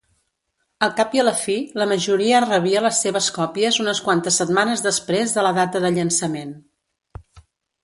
Al cap i a la fi, la majoria rebia les seves còpies unes quantes setmanes després de la data de llançament.